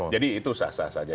jadi itu sah sah saja